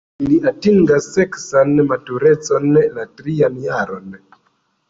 Ili atingas seksan maturecon la trian jaron.